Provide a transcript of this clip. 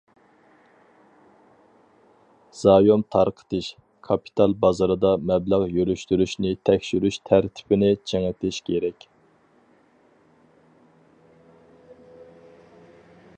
زايوم تارقىتىش، كاپىتال بازىرىدا مەبلەغ يۈرۈشتۈرۈشنى تەكشۈرۈش تەرتىپىنى چىڭىتىش كېرەك.